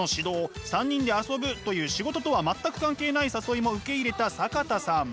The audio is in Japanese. ３人で遊ぶという仕事とは全く関係ない誘いも受け入れた坂田さん。